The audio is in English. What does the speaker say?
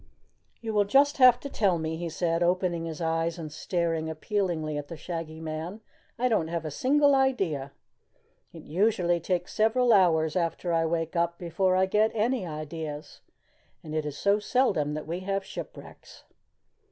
"You will just have to tell me," he said, opening his eyes and staring appealingly at the Shaggy Man. "I don't have a single idea. It usually takes several hours after I wake up before I get any ideas and it is so seldom that we have shipwrecks."